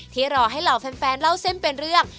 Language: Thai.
รอให้เหล่าแฟนเล่าเส้นเป็นเรื่อง